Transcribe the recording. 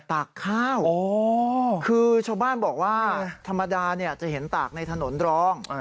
ตากข้าวคือชาวบ้านบอกว่าธรรมดาจะเห็นตากในถนนรอง